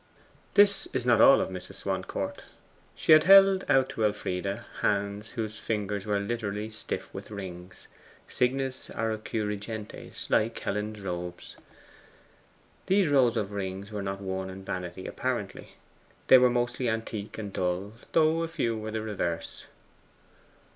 This is not all of Mrs. Swancourt. She had held out to Elfride hands whose fingers were literally stiff with rings, signis auroque rigentes, like Helen's robe. These rows of rings were not worn in vanity apparently. They were mostly antique and dull, though a few were the reverse.